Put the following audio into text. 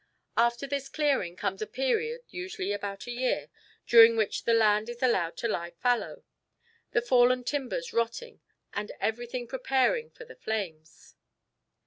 After this clearing comes a period, usually about a year, during which the land is allowed to lie fallow, the fallen timbers rotting and everything preparing for the flames.